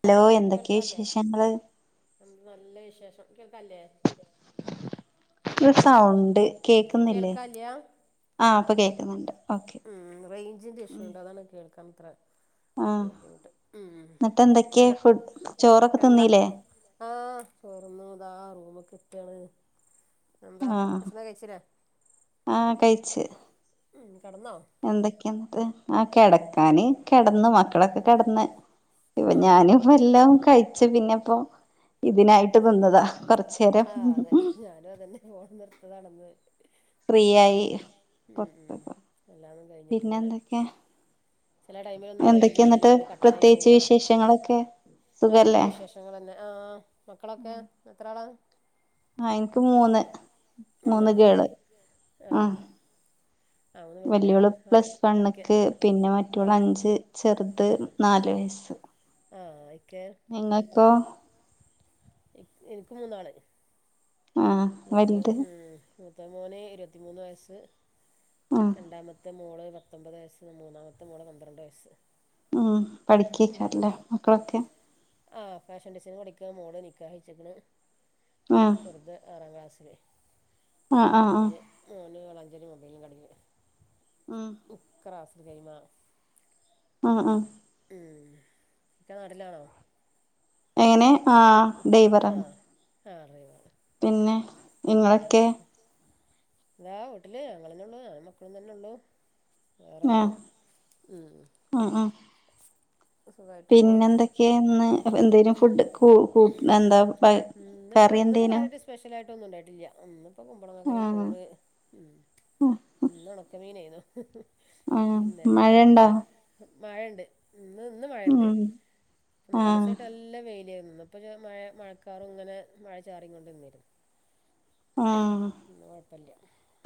Hello എന്തൊക്കെയാ കേൾക്കാല്ലേ വിശേഷങ്ങള് എന്ത് നല്ല വിശേഷം കേൾക്കല്ലേ ഒരു സൗണ്ട് കേൾക്ക്ന്നില്ലേ ആ അപ്പം കേൾക്കുന്നുണ്ട് ഓക്കെ ഉം റേഞ്ചിന്റെ ഇഷ്യൂ ഉണ്ട് അതാണ് കേൾക്കാൻ [inaudible] ആഹ് ബുദ്ധിമുട്ട് മ്മ് എന്നിട്ട് എന്തൊക്കെയ എന്താ ഫുഡ് ചോറൊക്കെ എന്താ തിന്നീല്ലേ ഓ ചോറന്നു താ റൂമക്കെ എത്തിയാണ് ആ ആ കഴിച്ച് ഉം കെടന്നോ എന്തൊക്കെയ എന്നിട്ട് ആ കിടക്കാന് കിടന്ന് മക്കളൊക്കെ കിടന്ന് ഇപ്പ ആഹ് ഞാനി ഇപ്പോ എല്ലാം കഴിച്ച പിന്നെ ഇപ്പൊ ഇതിനായിട്ട് ആഹ് കൊന്നതാ കൊറച്ചേരം ആഹ് അതെ [inaudible] ഉം ഫ്രീയായി ഉം ഉം [unintelligible] പിന്നെ എന്തൊക്കെ ചില ടൈമിൽ ഒന്നും [unintelligible] എന്നിട്ട് പ്രത്യേകിച്ച് വിശേഷങ്ങളൊക്കെ നല്ല സുഖല്ലേ വിശേഷങ്ങൾ തന്നെ ആ മക്കളൊക്കെ എത്ര ആളാ ആ എനിക്ക് മൂന്ന്- മൂന്ന് മൂന്നാൾ ഗേള് ആ മ് ആ മൂന്ന് വലിയോള് പെൺകുട്ടികളാണ് പ്ലസ് ഇക്ക വണ്ണ്ക്ക്- പിന്നെ ആ മറ്റോള് അഞ്ച് ചെറുത് റുത് നാല് വയസ്സ് ആ ഇക്ക നിങ്ങൾക്കോ എനിക്ക് മൂന്നാണ് ആഹ വലുത് മൂത്ത മോന് ഇരുപത്തിമൂന്ന് വയസ്സ് ആഹ് രണ്ടാമത്തെ മോള് പത്തൊമ്പത് വയസ് മൂന്നാമത്തെ മോള് പന്ത്രണ്ട് വയസ്സ് ഉം പഠിക്കേക്കാരല്ലേ മക്കളൊക്കെ ആ ഫാഷൻ ഡിസൈന് പഠിക്കാ മോള് നിക്കാഹ് കഴിച്ച്ക്ക്ണ് ആ ഇത്രാ ക്ലാസ്സില് ആഹ് മോന് മോന് ഞ്ചര മൊബൈും കടിക്ക ഉം മ് ക്ക്‌റ് ഗാസ് ഗെയിം ആ ആ ആ മ് ക്കാ നാട്ടിലാണോ എങ്ങനെ ആഹ ആ ഡൈവറാണ് ആ ഡ്രൈവറാണ് പിന്നെ നിങ്ങളൊക്കെ ന്താ വീട്ടില് ങ്ങള്ന്നെ ഉള്ള് ഞാ മക്കളും തന്നെ ഉള്ള് വേറെണ് ആഹ് ഉം സുഖായിട്ട് പോണ് പിന്നെ എന്തൊക്കെയന്ന് എന്തെലും ഫുഡ് കു കു എന്താ ഇപ്പം കറി ഇന്ന് എന്തേനു കാര്യമായിട്ട സ്പെഷ്യലയിട്ടൊന്നും ഉണ്ടായിട്ടില്ല മ് ആഹ ഉ ഇന്ന് ഉണക്കമീനായിരുന്നു ആഹ മഴ ഉണ്ടാ മഴയ്ണ്ട് ഇന്ന് ഇന്ന് മഴയ്ണ്ട് ഇപ്പോൾ ആഹ് നാല്സയിട്ട് നല്ല വെയിലായിരുന്നു ന്ന് ഇപ്പഴ്‌ മഴ മഴക്കാറ് ഇങ്ങനെ മഴ ചാറി കൊണ്ട് ന്നിട്ട് ആ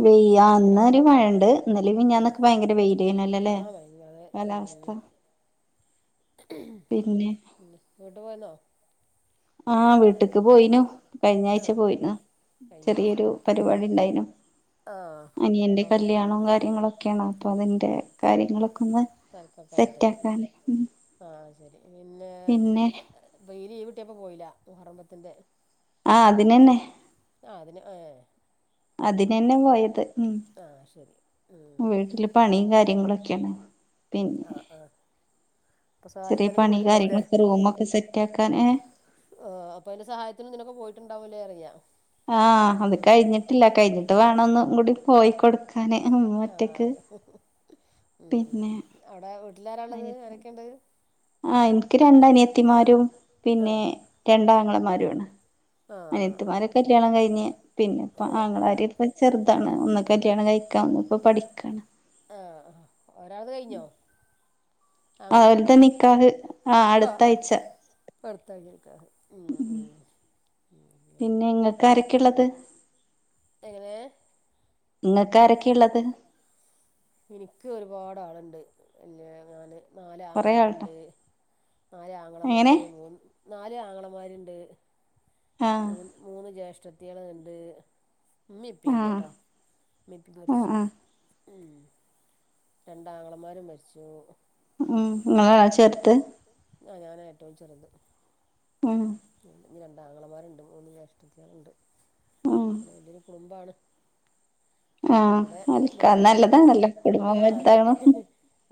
വെയ്യ അവിടെ അന്നര് വഴണ്ട് ല്ലെ ആ മെഞ്ഞാന്ന്ക്കെ ഭയങ്കര വെയില് തന്നേഅല്ലലെ ആ ഭയങ്കര കാലാവസ്ഥ ട്ട് പിന്നെ പോയന്നോ ആഹ വീട്ടക്ക് പോയിനു കഴിഞ്ഞ ആഴ്ച ആ പോയിന്ന കഴിഞ്ഞ ആഴ്ച ചെറിയൊരു ഇപ്പം പരിപാടി ഉണ്ടായിനു അനിയന്റെ അവിടെ കല്യാണവും കാര്യങ്ങളൊക്കെയാണ് അപ്പൊ അതിന്റെ കാര്യങ്ങളൊ സെറ്റാക്കാലെ ആഹ ശരി പിന്നെ ബെയില് ഈവ് കിട്ടിയപ്പ പോയില്ല മുഹറം ബത്തിന്റെ ആഹ അതിനെന്നെ അതിന് ഏ അതിനന്നെ പോയത് മ് ആ ശരി ഉം വീട്ടില് പണിയും കാര് എങ്ങളൊക്കെയാണ് പിന്നെ ആ ആ അപ്പൊ ചെറിയ സഹായിക്കാനൊക്കെ പണി പോയിട്ടുണ്ടാവൂല്ലേ കാര്യങ്ങളൊക്കെ റൂമൊക്കെ സെറ്റ് ആക്കാന് ആ അപ്പൊ അയിന്റെ സഹായത്തിന് നിനൊക്കെ പോയിട്ടുണ്ടാവുംല്ലേ അറിയാ ആഹ അത് കഴിഞ്ഞിട്ടില്ല കഴിഞ്ഞിട്ട് വേണം ഒന്നും കൂടി പോയിക്കൊടുക്ക അനെ ഹ് ആ മറ്റയ്ക്ക് ഉം ഉ ഉ അവിടെ വീട്ടിലാര ഉള്ളത് അരൊക്കെയണ്ട് ആഹ എനിക്ക് രണ്ട അനിയത്തിമാരും ആ പിന്നെ രണ്ടാങ്ങളമാരുംണ് ആ ആ ആ അനിയത്തിമാരോക്കെ കല്യാണം കഴിഞ്ഞ് പിന്നെ ഇപ്പ ഏ ആങ്ങളാര് ഇപ്പ ചെറുതാണ് ഒന്നൊക്കെ കല്യാണം കഴിക്കാൻ ഇപ്പൊ പഠിക്കണ് ആഹ ആ ഒരാത് കഴിഞ്ഞോ ആങ്ങളത് അവലത നിക്കാഹ ആഹ ആ അടുത്ത ആ ആഴ്ച പുറത്താക്കിയെടുക്കാം ഉം ഉ മ് ഉം ഉം പിന്നെ ഇങ്ങക്ക് ആരൊക്കെള്ളത് എങ്ങനെ നിങ്ങക്ക്‌ ആരൊക്കെയ ഇള്ളത് എനിക്ക് ഒരുപാട് ആള്ണ്ട് അല്ല ഞാന് നാല് കൊറേ ആൾണ്ടോ ആങ്ങളാര്ണ്ട് നാല് എങ്ങനെ ആങ്ങളമാര് മൂ നാല് ആങ്ങളമാര്ണ്ട് ആഹ് മൂ മൂന്ന് ജ്യേഷ്ഠതിയേള്ണ്ട് ആഹ് മ്മിംപ്പില്ലട്ടോ മ്മിംപ്പിം ആഹ് മരിച്ചു ആഹ് രണ്ടാങ്ങളമാരും മരിച്ചു ഉം ഇങ്ങളാ ചേർത് ആ ഞാന ഏറ്റവും ചെറുത് ഉം ഇനി രണ്ടാങ്ങളമാരുണ്ട് മൂന്ന് ജേഷ്ടത്തിയാളുണ്ട് ഉം അങ്ങനെ വലിയൊരു കുടുംബാണ് ആ അതൊക്ക ഇവിടെ ഇക്കാക്ക് നല്ലതാണല്ലോ കുടുംബം ആ വല് അതെ താവ് ണേ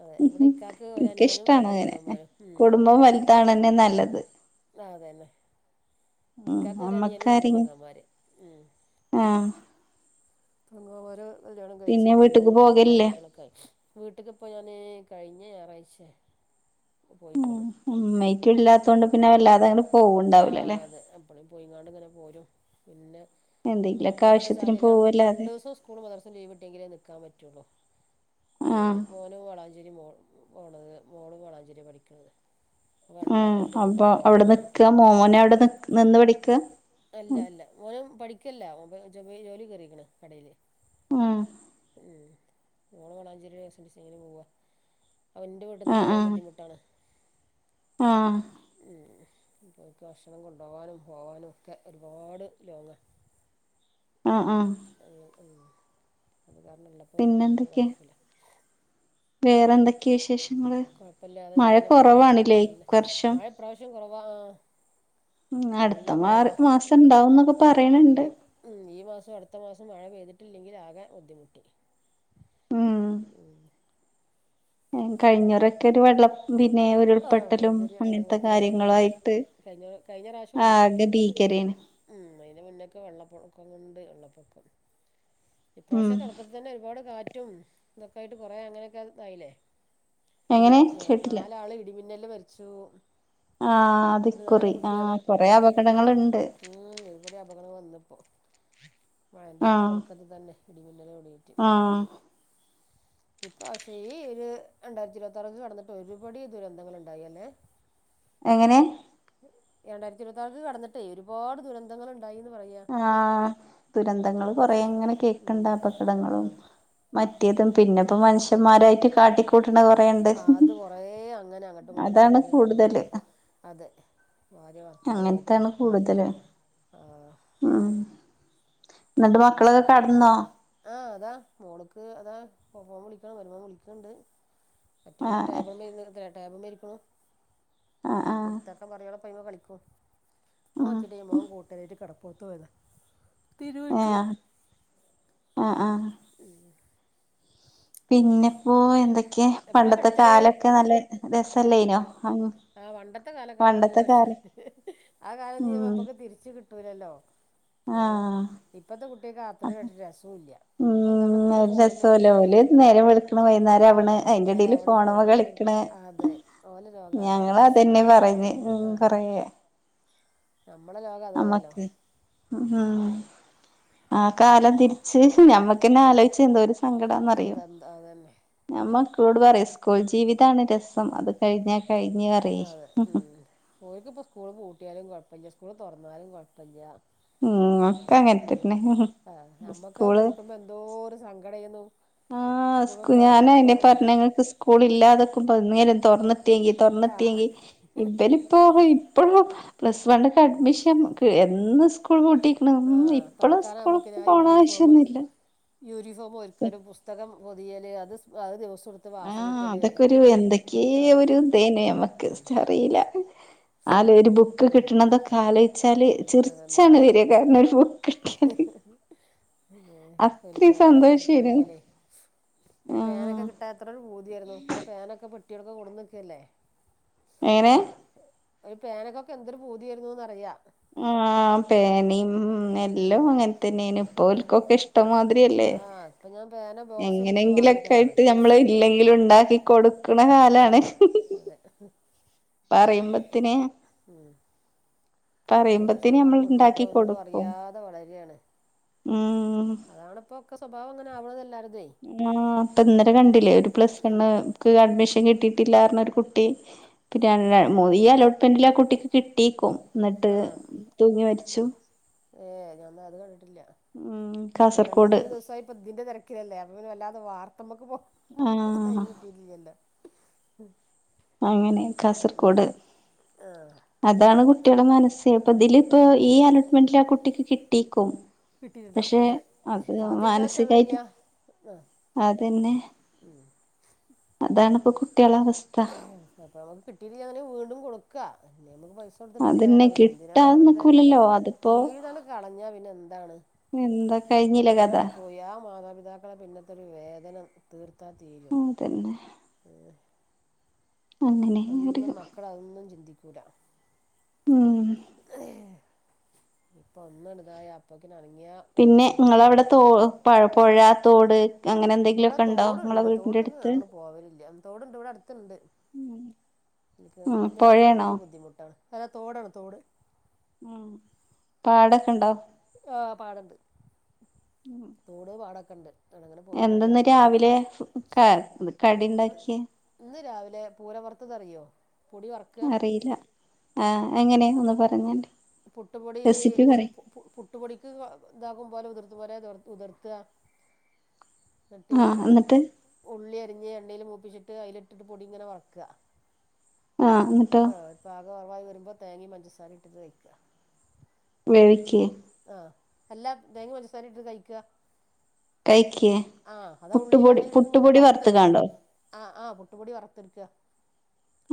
അതെ ഇവിടെ ഉം ഇക്കാക്ക് ഇന്ക്ക് ഒരനിയനും ഇഷ്ടാണ് രണ്ട് അങ്ങനെ പെങ്ങന്മാരും ഉം കുടുംബം വലുതാകണതന്നെ നല്ലത് അതെ അതന്നെ ഉം ഇക്കാക്ക് ഒരനിയന് രണ്ട് നമ്മക്കാരിം പെങ്ങന്മാര് ഉം ആ ഞങ്ങ ഓരോ കല്യാണം പിന്നെ കഴിച്ച് കുടുംബം വീട്ട്ക്ക് കുട്ടികളും പേര പോകലില്ലേ കുട്ടികളൊക്കായി വീട്ട്ക്ക്പ്പോ ഞാന് കഴിഞ്ഞ ഞാറായ്ച്ചേ ഉം ഉമ്മയ്റ്റു ഇല്ലാത്തോണ്ട് പിന്നെ വല്ലാതങ്ങ്ട് പോവുണ്ടാവൂലല്ലേ പോയിങ്ങാണ്ട്ങ്ങനെ പോരും പിന്നെ നിക്കാൻ പറ്റിയ എന്തെങ്കിലൊക്കാവശ്യത്തിന് സാഹചര്യം പോവൻ രണ്ട് രണ്ടൂസം ഉസ്കൂളും മദ്റസേം ലീവിട്ടിയെങ്കിലേ നിക്കാൻ പറ്റു ഒള്ളൂ അല്ലേ ആഹ് ഞാൻ മോനും വളാഞ്ചേരി മോൾ പോണത് മോളും വളാഞ്ചേരിയാ പഠിക്ക്ണത് ഉം അപ്പൊ അവിടെ നിക്കാ മോനവിടെ നിക്ക് നിന്ന് പഠിക്കാ അല്ല അല്ല ഓനും പഠിക്ക്അല്ല ഓൻ ബേ ജൊബേ ജോലീ കേറിയേക്കണ് കടേല് ആഹ് ഉം മോള് വളാഞ്ചേരി ഫാഷൻ ഡിസൈനിങ്ങിന് പോവാ അപ്പോ ൻ്റെ വീട്ടീന്ന് ആഹ് പോവാൻ ആഹ് ബുദ്ധിമുട്ടാണ് ആഹ് അപ്പോര്ക്ക് ഭക്ഷണം കൊണ്ടോവാനും പോവാനും ഒക്കെ ഒരുപാട് ലോങ്ങാ ആഹ് ആഹ് അങ്ങനെ ഉം അത് കാരണം ഇള്ളപ്പോ വിരുന്നൊന്നും പോ പിന്നെന്തൊക്കെയാ നടക്കൂല വേറെന്തൊക്കെയാ വിശേഷം കൊഴപ്പല്ല്യാതിങ്ങനെ പോണ് അല്ലെ ഇപ്രാവശ്യം മഴ ഇപ്രാവശ്യം കൊറവാ ആഹ് ഉം അടുത്ത മാർ മാസണ്ടാവുംന്നൊക്കെ പറയണ് ഈ ണ്ട് ഉം ഈ മാസം അടുത്ത മാസം മഴ പെയ്തിട്ടില്ലെങ്കിലാകെ ബുദ്ധിമുട്ടി ഉം കഴിഞ്ഞോറൊക്കെ ഒരു വെള്ളം പിന്നെ ആ ഉരുൾപൊട്ടലും കഴിഞ്ഞൊരു അങ്ങനത്തെ ഇരുപത്തിലൊക്കെ കാര്യങ്ങളു അതെ ആയിട്ട് കഴിഞ്ഞ കഴിഞ്ഞ റാശം ഉരുൾപൊട്ടല് ഉം അയിന് മുന്നേക്കെ വെള്ളപ്പൊൺ ക്കം കൊണ്ട് വെള്ളപ്പൊക്കം ഉം ഇപ്രാവശ്യം തൊടക്കത്തി തന്നെ ഒരുപാട് കാ റ്റും ഇതൊക്കായിട്ട് കൊറേ അങ്ങനൊക്കെതായില്ലേ ഇടിം എങ്ങനെ ആ കേട്ടില്ല നാലാള് മിന്നലില് മരിച്ചു ആഹ് ഒരു അതിക്കുറി നാല് കുട്ടികള് ആഹ് കൊറേ ഉം അപകടങ്ങള്ണ്ട് ഉം ഒരുപാട് അപകടങ്ങൾ വന്നിപ്പോ മഴൻ്റെ ആഹ് തൊടക്കത്തിത്തന്നെ ഇടിമിന്നലോടീറ്റ് ആഹ് ഇപാവശ്യം ഈ ഒരു രണ്ടായിരത്തി ഇരുവത്താറ്ക്ക് കടന്നിട്ട് ഒരുപടി ദുരന്തങ്ങള്ണ്ടായി അല്ലേ എങ്ങനെ രണ്ടായിരത്തി ഇരുപത്താറ്ക്ക് കടന്നിട്ടേ ഒരുപാട് ദുരന്തങ്ങള് ആ ദുരന്തങ്ങള് കൊറേയിങ്ങനെ കേക്ക്ണ്ട് ഉം, ആ അപകടങ്ങളും പ റ്റിയതും പിന്നെപ്പ മനുഷ്യന്മാരായിട്ട് കാട്ടിക്കൂട്ട്ണ കൊറേയിണ്ട് ആ അത് കുറേ അങ്ങനെ അങ്ങട്ടും ഇങ്ങട്ടും തമ്മില് തമ്മില് അതെ ഭാ ര്യ ഭർത്താവിനേയിറ്റും അങ്ങനത്താണ് ആയുധം കൂടുതല് ആ ഇന്നട്ട് മക്കളൊക്കെ കെടന്നോ ആഹ് അതാ മോള്ക്ക് അതാ ഫോൺ വിളിക്ക്ണ് മരുമോൻ വിളിക്ക്ണ്ട് മറ്റുള്ളത് ആഹ് ടേബിളുമ്മ ഇരുന്ന് ദേ ടേബുമ്മ ഇരിക്ക്ണു ആഹ് ആഹ് ഇപ്പെടുത്തേക്കാൻ പറയണം [unintelligible] കളിക്കും മോ ഉം എത്തീടില്ല മോൻ കൂട്ടരേയിട്ട് കടപ്പൊറത്ത് പോയതാ തീ ഏയാ ആഹ ആഹ [inaudible] പിന്നെപ്പോ പിന്നെ എന്തൊക്കേ എപ്പളാ പണ്ടത്തെ കിടക്കല് കാലൊക്കെ നല്ല രസല്ലേയിനോ അങ്ങ് ആഹ് പണ്ടത്തെ കാലൊക്കെ നല്ല ഉഷാറാ ആ കാലംനീ ഉം നമ്പക്ക് തിരിച്ച് കിട്ടൂലല്ലോ? ഏഹ് ആഹ് ഇപ്പത്തെ കുട്ടികക്കാത്ര രട് രസൂല്ല്യ. ഉം ഒര് രസൂല്ല ഓല് നേരം വെള്ക്ക്ണ വ ആഹ് വൈന്നേരവടെ ഫോണുമ്മെൽ കളിക്കണ് അതെ ഓലെ ലോകതാണ്. ഞങ്ങള് അതന്നെ പറഞ്ഞ് ഉം കറങ്ങുക നമ്മള ലോകതല്ലല്ലോ? ഉം ആ ഏഹ് കാലം തിരിച്ച് ഞമ്മക്കന്നെ ആലോയിച്ച എന്തോരു സങ്കടാന്നറിയോ? എന്താ എന്താ അതന്നെ ഞാമ്മക്കളോട് പറയും സ്കൂൾ ജീവിതാണ് രസം. അത് കഴിഞ്ഞാ കഴിഞ്ഞ് പറയേ അതെ ഉ ഇ പംസ്കൂള് പൂട്ടിയാലും കുഴപ്പമില്ല സ്കൂള് തുറന്നാലും കുഴപ്പമില്ല. ഉം ഒക്കെ അതെ ഉ അങ്ങനെത്തന്നെ ആഹ നമ്മുക്ക് സ്കൂള് പൂട്ടുമ്പോ എന്തോ ഒരു സങ്കടയന്ന്. ആഹ് സ് ഞാന അന്റെ ഉം പറഞ്ഞോക്ക് സ്കൂള് ഇല്ലാതക്കുമ്പരം തുറന്നി തുറന്നിട്ടെങ്കിൽ ആഹ് തുറന്നിട്ടെങ്കിൽ ഇവളിപ്പോ പ്ലസ് വൺ പിന്നെ അഡ്മിഷൻ എ എന്ന് സ്കൂൾ പൂട്ടിക്കണ് ആഹ് ഇപ്പളും സ്കൂൾ തുറക്കാനാകുമ്പോക്കിന് ആ പോണ യൂണിഫോമ് ആവശ്യംഒന്നുമില്ല. യൂണിഫോം ഒരുരിക്കലും. പുസ്തകം പൊതിയൽ. അത് അത് ദിവസ ആഹ അതൊക്കെരു എന്തൊക്കെയ ആഹ് ഒരു ഇന്തേനു മ്മക്ക് അറിയില്ല. ആല് ഒരു ബുക്ക് അത്രേ ഉള്ളൂ കിട്ടണതൊക്കെ ആലോചിച്ചാല്. അതന്നെ ചിറിച്ചാണ് വരിക കാരണം ഒരു ബുക്ക് കിട്ടിയാല്. പിന്നെ ഒരു അത്രയും പാനൊക്കെ സന്തോഷേനു കിട്ടണെങ്കിലേ. ഒരു പേനൊക്കെ ആഹ് കിട്ടാത്തത്ര ഒരു പൂതിയായിരുന്നു. ഇപ്പൊ പേനൊക്കെ പെട്ടിയൊക്കെ കൊടുന്ന്ക്കല്ലേ? എങ്ങനെ പേനകൊക്കെ എന്തൊരു പൂതിയായിരുന്നുന്ന്റിയാം. ആ പേന എല്ലാം അങ്ങനെ തന്നെയന ഇപ്പോക്കൊക്കെ ഇഷ്ടമാ ആഹ ഇപഞൻ എങ്ങനെങ്കിലൊക്കെ ആയിട്ട് നമ്മള് ഇല്ലെങ്കിലും ഉണ്ടാക്കി കൊടു അതെ അതെ പറയുമ്പത്തിനേ ഉം ഒരു പറയുമ്പത്തിന് നമ്മൾ കഷ്ടപ്പാടും ബുദ്ധിമുട്ടും ഉണ്ടാക്കി ഒന്നും കൊടുക്കും അറിയാതെ വളരയാണ്. ഉം അതാണപ്പോ ഒക്കെ സ്വഭാവം അങ്ങനെ ആവണത്എല്ലാരും. ആ അപ്പ ഇന്നലോ കണ്ടില്ലേ ഒരു പ്ലസ് കണ് അഡ്മഷൻ ക്ഷൻ കിട്ടിയിട്ടില്ലാര ഒരു കുട്ടി പിന്നെ ഈ അലോട്ട്മെന്റിൽ ആ കുട്ടിക്ക് കിട്ടീക്കും എന്നിട്ട് തൂങ്ങി മരിച്ചു. ഏ് ഞാാ അത് കി ഉം ഈ രണ്ട് കാസർഗോഡ് മൂന്ന് ദിവസ ഇതിന്റെ തിരക്കിലല്ലേ അപ വല്ലാതെ വ നമ്മുക്ക് പോ തൈമ് ആഹ് കിട്ടിട്ടില്ലല്ലോ? അങ്ങനെ കാസർഗോഡ് ആഹ് അതാണ് കുട്ടികളുടെ മനസ്സ് അപ്പ ഇതില ഇപ്പ ഈ അലോട്ട്മെന്റൽ ആ കുട്ടിക്ക് കിട്ടീക്കും. കട്ടിട്ടണ്ടാവും അത് കാത്തിരിക്കാ മാനസികായിട്ട് മല്ലയാ. അതന്നെ അതാണ്പ്പോ കുട്ടികളോ അവസ്ഥ അപ്പൊ നമുക്ക് കിട്ടിയിട്ടല ഇടകിൽ വീണ്ടും കൊടുക്കാ. അതന്നെ കിട്ടാത നക്കൂലല്ലോ? ജീവിതമാണ് കളഞ്ഞാ പിന്നെ എന്താണ്. എന്താ കഴിഞ്ഞില്ലേ കഥ ഓരാണ് പോയി ആ മാതാപിത ഇതാക്കളെ പിന്ത്തെൊരു വേദന തീർത്താ തീരെ അതന്നെ അങ്ങനെ ഒരു അതൊന്നും മക്കള അതൊന്നും ചിന്തിക്കൂല ഉം ഇപ്പൊ ഒന്നാണ്തായ അപ്പക്ക് പിന്നെ നിങ്ങളവിടെ തോ പുഴ തോട് അങ്ങനെ എന്തെങ്കിലു. മൊക്കെ ഉണ്ടോ നിങ്ങ തോട്ട്ക്ക് ങ്ങള് പോവലില്ല തോടുണ്ട് ഇവിടെ അടുത്തിണ്ട് ഉം എക്ക് ഇറങ്ങാൻ പൊഴയാണോ കുറച്ച് ബുദ്ധിമുട്ടാണ് അല്ല തോടാണ് തോട് ഉം പാടൊക്കെ ഉണ്ടാ ആ പാടണ്ട് ഉം തോട് പാടക്കെണ്ട് എന്തെന്ന് രാവിലെ ഉം കടിണ്ടാക്കിയ ഇന്ന് രാവിലെ പൂരം വറത്തതറിയോ പൊടി വറക്ക്ക ആ എങ്ങനെയ ഒന്ന് പറഞ്ഞെ പുട്ടുപൊടി പുട്ടുപൊടിക്ക് ഇതാകും പോലെതിർ അതുപോലെതിർ ഉതിർത്തുക എന്നിട്ട് ആഹ് എന്നിട്ട് ഉള്ളി അരിഞ്ഞ് എണ്ണക്ക് ച്ചിട്ട് അതിലിട്ട് പൊടി ങ്ങനെ വറക്കുക ആഹ് എന്നിട്ടോ പാകർവായി വരുമ്പോ തേങ്ങെം പഞ്ചസാരെം ഇട്ടിട്ട് കയ്ക്ക വെവിക്ക്യെ അല്ലാ തേങ്ങ പഞ്ചസാരിട്ട് കഴിക്ക്യ കഴിക്കേ ആ അതാ ഉള്ളിലും പുട്ടുപൊടി ഏണ്ണിലുംട്ട് ങ്ങനെ പുട്ടുപൊടി വറ്ത്ത് വറുത്തുകാണ്ടോ ആ ആ പുട്ടുപൊടി വറ് ത്ത് ക്ക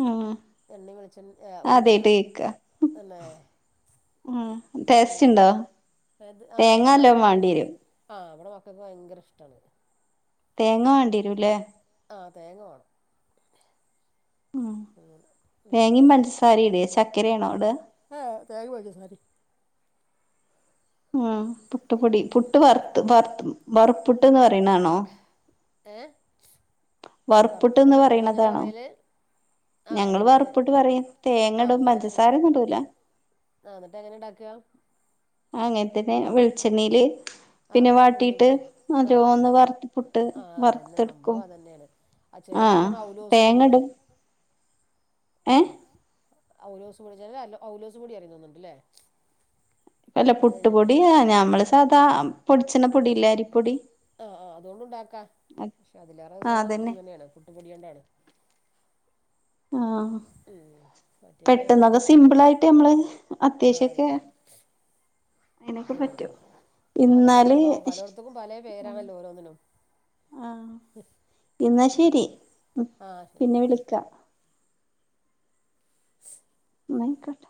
ആഹ് ആദ്യായിട്ട് കേക്കാ [inaudible] ആഹ് ടേസ്റ്റ് ണ്ടോ തേങ്ങ നല്ലോം വാണ്ടിരും ആ ഇവെടെ മക്കക്ക് ഭയങ്കര ഇഷ്ടാണ് തേങ്ങ വാണ്ടിരൂല്ലേ ആ തേങ്ങ വാണം ഉം അങ്ങനെ ഉം തേങ്ങേം പഞ്ചാസാരേംട്യ ശക്കരയാണോവ്ട ആ തേങം പഞ്ചസാരിം ഉം പുട്ടുപൊടി പുട്ട് വറുത്ത് വറുത്ത് വറപ്പുട്ട്ന്ന് പറിണാണോ ഏ വറപ്പുട്ട്ന്ന് പറയ്ണതാണോ ആഹ് അത് ഞങ്ങള് വറുപ്പുട്ട് പറയും തേങ്ങ ടും പഞ്ചസാര ന്നും ടൂല അ ന്നിട്ട് എങ്ങനെ ണ്ടാക്കാ അങ്ങൻത്തന്നെ വെള്ച്ചെണ്ണേല് പിന്നെ ആഹ് ഉള്ളിം വാട്ടീട്ട് ആഹ് ഓരോന്ന് വറുത്തിപ്പുട്ട് വറ്ത്തെട്ക്കും അ ചെലത് ന്താണ് ഔലോസ് പൊടിയോ ഏ ആഹ് ഔലോസ് പൊടി ചെലര് ഔല ഔലോസൊടി റിം തോന്നുന്നുണ്ട്ല്ലേ പ്പല്ല പുട്ടുപൊടി ഞമ്മള് സാദാ പൊട്ച്ച്ണ പൊടില്ലേ അരിപ്പൊടി ആ ആ അതൊണ്ടും ണ്ടാക്കാ പക്ഷെ അതിലേറെ ആഹ് സുഖം അതന്നെ ഇങ്ങനെയാണ് പുട്ടുപൊടിയണ്ടാണ് ആ മറ്റേത് പെട്ടെന്നത് പറയുമ്പത് സിമ്പ്ളായിട്ടമ്മള് അത്യാവശ്യക്കെ അങ്ങൻ തന്നെ പ്പ അതന്നെ ഇന്നാല് സംഭവം പലോട്ത്ത്ക്കും പലെ പേരാണല്ലോ ഓരോന്നിനും ആ ഇന്നാ ശരി ആഹ് ശരി പിന്നെ വിളിക്ക ന്നാ അയ്ക്കോട്ടെ